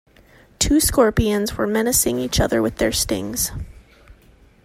Two scorpions were menacing each other with their stings.